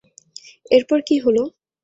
এরপর কী হলো?